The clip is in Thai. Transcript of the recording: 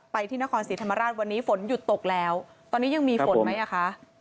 ที่นครศรีธรรมราชวันนี้ฝนหยุดตกแล้วตอนนี้ยังมีฝนไหมอ่ะคะ